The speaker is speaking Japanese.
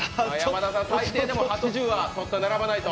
最低でも８０は、並ばないと。